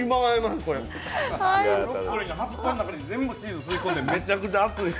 ブロッコリーの葉っぱの中に全部チーズ吸い込んでめちゃくちゃ熱い。